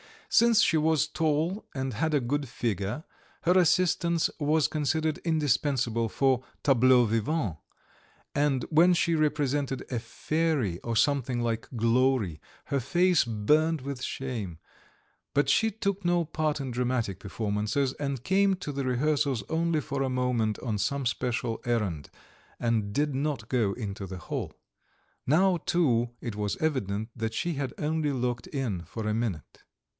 Since she was tall and had a good figure, her assistance was considered indispensable for tableaux vivants, and when she represented a fairy or something like Glory her face burned with shame; but she took no part in dramatic performances, and came to the rehearsals only for a moment on some special errand, and did not go into the hall. Now, too, it was evident that she had only looked in for a minute.